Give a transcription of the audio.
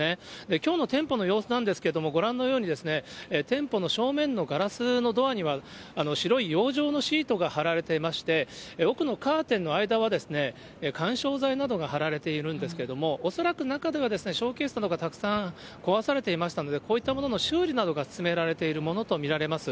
きょうの店舗の様子なんですけれども、ご覧のように、店舗の正面のガラスのドアには、白い養生のシートが貼られていまして、奥のカーテンの間は、緩衝材などが貼られているんですけれども、恐らく中ではショーケースなどがたくさん壊されていましたので、こういったものの修理などが進められているものと見られます。